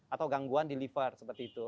atau gangguan di liver seperti itu